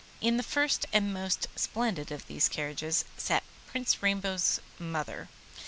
In the first and most splendid of these carriages sat Prince Rainbow's mother.